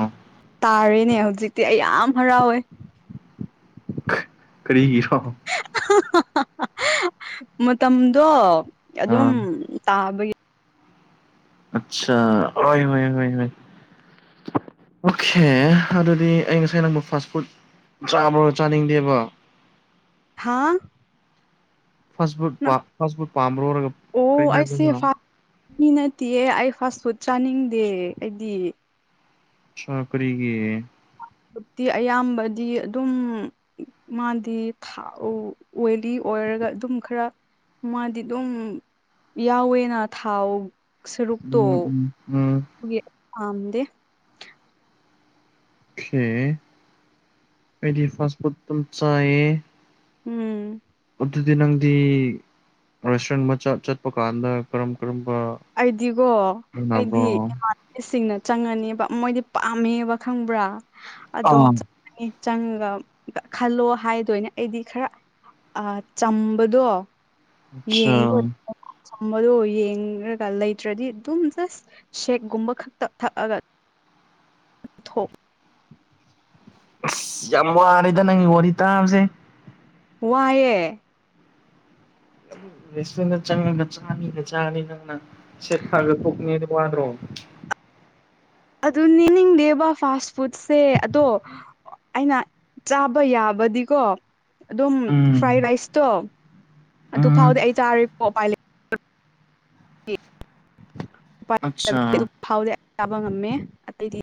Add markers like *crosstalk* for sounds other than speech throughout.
ꯑꯣ ꯇꯥꯔꯦꯅꯦ ꯍꯧꯖꯤꯛꯇꯤ ꯑꯩ ꯌꯥꯝ ꯍꯔꯥꯎꯋꯦ ꯀꯔꯤꯒꯤꯔꯣ ꯃꯇꯝꯗꯣ ꯑꯗꯨꯝ ꯑꯥ ꯇꯥꯕꯒꯤ ꯑꯆꯥ ꯍ ꯍ ꯍ ꯑꯣꯀꯦ ꯑꯗꯨꯗꯤ ꯑꯩ ꯉꯁꯥꯏ ꯅꯪꯕ ꯐꯥꯁ ꯐꯨꯗ ꯆꯥꯕ꯭ꯔꯣ ꯆꯥꯅꯤꯡꯗꯦꯕ ꯍꯥꯥ ꯐ ꯐꯨꯗ ꯐꯥꯁ ꯐꯨꯗ ꯄꯥꯝꯕ꯭ꯔꯣꯔꯒ ꯀꯔꯤ ꯑꯣ ꯑꯩꯁꯦ ꯍꯥꯏꯕꯅ ꯐꯥꯁ ꯃꯤ ꯅꯠꯇꯦꯌꯦ ꯑꯩ ꯐꯥꯁ ꯐꯨꯗ ꯆꯥꯅꯤꯡꯗꯦ ꯑꯩꯗꯤ ꯆꯀꯔꯤꯒꯤ ꯍꯧꯖꯤꯛꯇꯤ ꯑꯌꯥꯝꯕꯗꯤ ꯑꯗꯨꯝ ꯃꯥꯗꯤ ꯑꯣꯏꯂꯤ ꯑꯣꯏꯔꯒ ꯑꯗꯨꯝ ꯈꯔ ꯃꯥꯗꯤ ꯑꯗꯨꯝ ꯌꯥꯎꯋꯦꯅ ꯊꯥꯎ ꯁꯔꯨꯄꯇꯣ ꯎꯝ ꯎꯝ ꯎꯝ ꯀꯝꯗ ꯍꯗꯤ ꯐ ꯐꯨꯝ ꯆꯥꯏꯌꯦ ꯎꯝ ꯑꯗꯨꯗꯤ ꯅꯪꯗꯤ ꯔꯦꯁꯇꯨꯔꯦꯟ ꯑꯃ ꯆꯠꯄ ꯀꯥꯟꯗ ꯀꯔꯝ ꯀꯔꯝ ꯑꯩꯗꯤꯒꯣ ꯑꯩꯗꯤ ꯏꯃꯥꯟꯅꯕꯁꯤꯡꯅ ꯆꯪꯉꯅꯦꯕ ꯃꯣꯏꯗꯤ ꯄꯥꯝꯃꯦꯕ ꯈꯪꯕ꯭ꯔꯥ ꯑꯗꯣ ꯑꯥ ꯆꯪꯉ ꯆꯪꯉꯒ ꯈꯜꯂꯣ ꯍꯥꯏꯗꯣꯏꯅꯦ ꯑꯩꯗꯤ ꯈꯔ ꯑ ꯆꯝꯕꯗꯣ ꯑꯆꯥꯥ ꯊꯝꯕꯗꯣ ꯌꯦꯡꯉꯒ ꯂꯩꯇ꯭ꯔꯗꯤ ꯑꯗꯨꯝ ꯖꯁ ꯁꯦꯛꯒꯨꯝꯕ ꯈꯛꯇ ꯊꯛꯑꯒ ꯎꯝ ꯊ ꯑꯁ ꯌꯥꯝ ꯋꯥꯔꯦꯗ ꯅꯪꯒꯤ ꯋꯥꯔꯤ ꯇꯥꯕꯁꯦ ꯋꯥꯏꯦ ꯁꯇꯅ ꯆꯪꯉꯒ ꯆꯥꯅꯤꯒ ꯆꯥꯅꯤ ꯅꯪꯅ ꯁꯦꯠꯈꯔꯒ ꯀꯣꯛꯅꯦꯅ ꯋꯥꯗ꯭ꯔꯣ *unintelligible* ꯑꯗꯨ ꯅꯅꯤꯡꯗꯦꯕ ꯐꯥꯁ ꯐꯨꯗꯁꯦ ꯑꯗꯣ ꯑꯩꯅ ꯆꯥꯕ ꯌꯥꯕꯗꯤꯀꯣ ꯑꯗꯨꯝ ꯎꯝ ꯐ꯭ꯔꯥꯏ ꯔꯥꯏꯁꯇꯣ ꯑꯗꯨ ꯎꯝ ꯐꯥꯎꯗꯤ ꯑꯩ ꯆꯥꯔꯣꯏ ꯄꯣꯄꯥꯏ ꯂꯩ ꯑꯠꯆꯥ ꯐꯥꯎ ꯆꯥꯕ ꯉꯝꯃꯦ ꯑꯇꯩꯗꯤ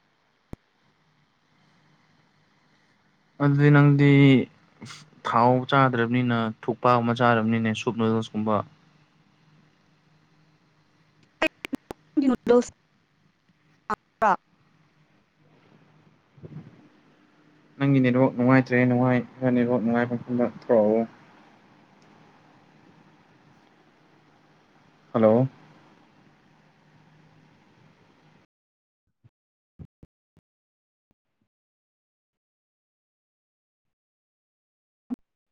ꯑꯗꯨꯗꯤ ꯅꯪꯗꯤ ꯊꯥꯎ ꯆꯥꯗ꯭ꯔꯕꯅꯤꯅ ꯊ ꯊꯣꯛꯄ ꯑꯃ ꯆꯥꯔꯕꯅꯤꯅ ꯁꯨꯞꯅ ꯁꯗꯣꯁ ꯀꯨꯝꯕꯥ *unintelligible* *unintelligible* ꯅꯪꯒꯤ ꯅꯦꯠꯋꯥꯛ ꯅꯨꯡꯉꯥꯏꯇ꯭ꯔꯦ ꯅꯨꯡꯉꯥꯏ ꯅꯦꯠꯋꯥꯛ ꯅꯨꯡꯉꯥꯏꯕꯐꯝꯗ ꯊꯣꯛꯧꯔꯛꯎ ꯍꯜꯂꯣ